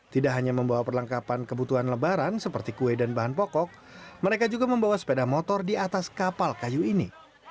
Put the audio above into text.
tidak hanya membawa perlengkapan kebutuhan lebaran seperti kue dan bahan pokok mereka juga membawa sepeda motor di atas kapal kayu ini